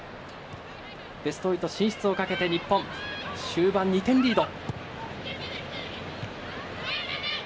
ベスト８進出をかけて日本終盤２点リード。